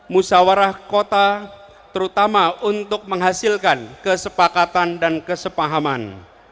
musawarah kota terutama untuk menghasilkan kesepakatan dan kesepahaman